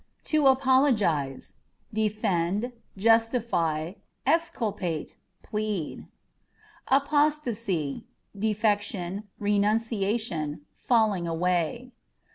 To Apologise â€" defend, justify, exculpate, plead. Apostacy â€" defection, renunciation, falling away.